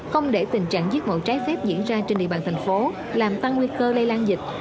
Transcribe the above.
không để tình trạng giết mổ trái phép diễn ra trên địa bàn thành phố làm tăng nguy cơ lây lan dịch